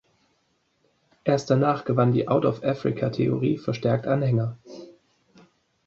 Erst danach gewann die Out-of-Africa-Theorie verstärkt Anhänger.